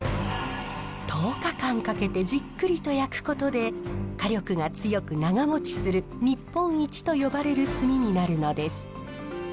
１０日間かけてじっくりと焼くことで火力が強く長もちする日本一と呼ばれる炭になるのです。